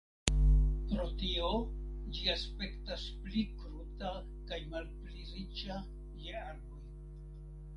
Pro tio ĝi aspektas pli kruta kaj malpli riĉa je arboj.